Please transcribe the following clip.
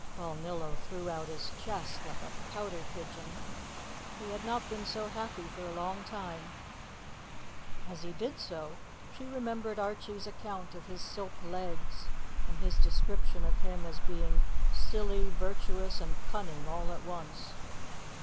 Balnillo threw out his chest like a pouter pigeon. He had not been so happy for a long time. As he did so, she remembered Archie's account of his silk legs, and his description of him as being "silly, virtuous, and cunning all at once."